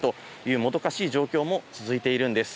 もどかしい状況も続いているんです。